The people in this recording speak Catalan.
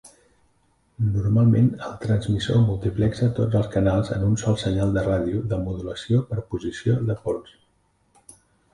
Normalment el transmissor multiplexa tots els canals en un sol senyal de ràdio de modulació per posició de pols.